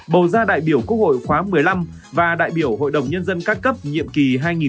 bầu ra đại biểu quốc hội khóa một mươi năm và đại biểu hội đồng nhân dân các cấp nhiệm kỳ hai nghìn hai mươi một hai nghìn hai mươi một